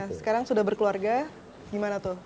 nah sekarang sudah berkeluarga gimana tuh